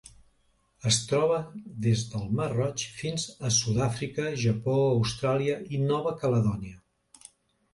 Es troba des del Mar Roig fins a Sud-àfrica, Japó, Austràlia i Nova Caledònia.